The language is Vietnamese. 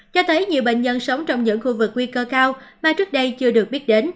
cho thấy nhiều bệnh nhân sống trong những khu vực nguy cơ cao mà trước đây chưa được biết đến